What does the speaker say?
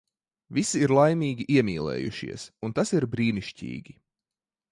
Visi ir laimīgi, iemīlējušies. Un tas ir brīnišķīgi.